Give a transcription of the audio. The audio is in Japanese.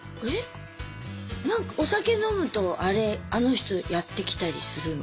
何かお酒飲むとあれあの人やって来たりするの？